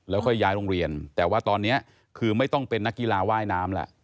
ค่อยย้ายโรงเรียนแต่ว่าตอนนี้คือไม่ต้องเป็นนักกีฬาว่ายน้ำแล้ว